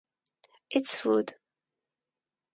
It’s food.